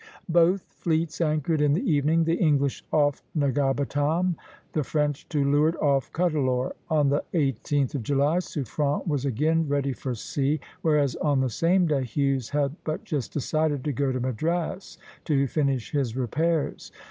Both fleets anchored in the evening, the English off Negapatam, the French to leeward, off Cuddalore. On the 18th of July Suffren was again ready for sea; whereas on the same day Hughes had but just decided to go to Madras to finish his repairs.